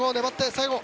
最後。